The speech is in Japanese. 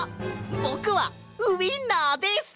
ぼくはウインナーです！